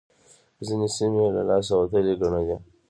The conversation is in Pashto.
ځينې سيمې يې له لاسه وتلې ګڼلې.